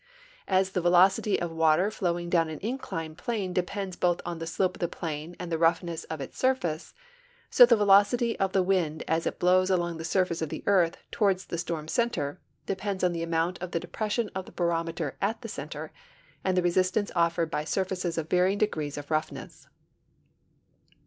As the velocity of water flowing down an inclined plane depends both on the slope of the plane and on the roughness of its sur face, so the velocity of the wind as it blows along the surface of the earth toward the storm center depends on the amount of the depression of the barometer at the centen and the resistance offered by surfaces of varying degrees of roughness.